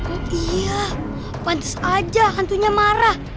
oh iya pantas aja hantunya marah